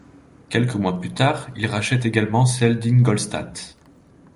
Quelques mois plus tard, il rachète également celle d'Ingolstadt.